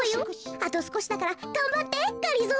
あとすこしだからがんばってがりぞー。